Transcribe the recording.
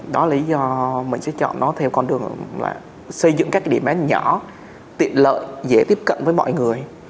đó là lý do mình sẽ chọn nó theo con đường là xây dựng các điểm bán nhỏ tiện lợi dễ tiếp cận với mọi người